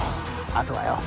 あとはよ